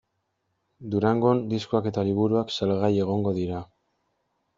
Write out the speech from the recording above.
Durangon diskoak eta liburuak salgai egongo dira.